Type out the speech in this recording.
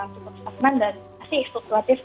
cukup sederhana dan masih strukturatif